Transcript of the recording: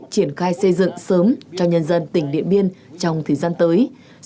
triển khai xây dựng sớm cho nhân dân tỉnh điện biên trong thời gian tới